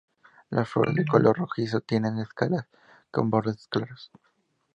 Las flores de color rojizo tienen escalas con bordes claros.